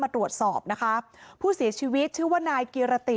ตรวจสอบนะคะผู้เสียชีวิตชื่อว่านายกิรติ